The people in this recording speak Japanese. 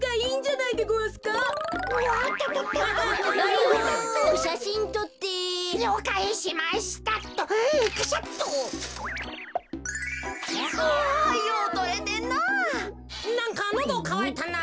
なんかのどかわいたな。